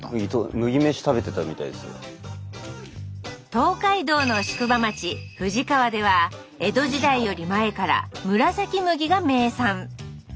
東海道の宿場町藤川では江戸時代より前から「むらさき麦」が名産。